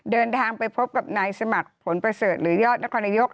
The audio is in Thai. เดินทางไปพบกับนายสมัครผลประเสริฐหรือยอดนครนายก